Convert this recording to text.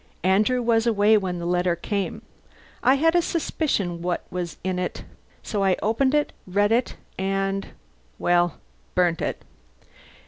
Andrew was away when the letter came. I had a suspicion what was in it; so I opened it, read it, and well, burnt it.